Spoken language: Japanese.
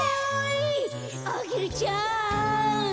アゲルちゃん。